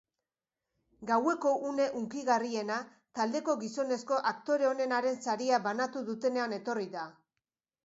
Gaueko une hunkigarriena taldeko gizonezko aktore onenaren saria banatu dutenean etorri da.